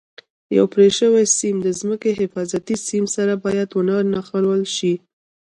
یو پرې شوی سیم د ځمکې حفاظتي سیم سره باید ونښلول شي.